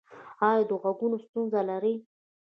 ایا د غوږونو ستونزه لرئ؟